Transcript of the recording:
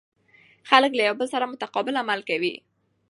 خلک له یو بل سره متقابل عمل کوي.